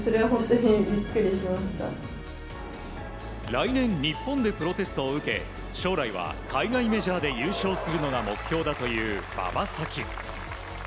来年、日本でプロテストを受け将来は海外メジャーで優勝するのが目標だという馬場咲希。